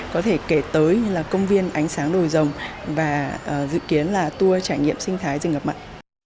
có thể kể tới như là công viên ánh sáng đồi rồng và dự kiến là tour trải nghiệm sinh thái rừng ngập mặn